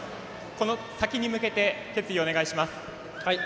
この先に向けて決意をお願いします。